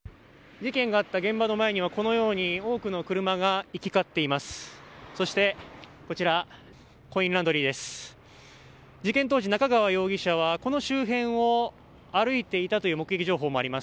事件があった現場の前にはこのように多くの車が行き交っています。